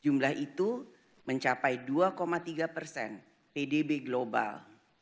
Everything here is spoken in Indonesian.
jumlah itu mencapai dua tiga pbb global